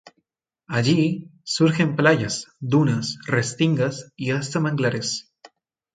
Allí, surgen playas, dunas, restingas y hasta manglares.